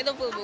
itu full buku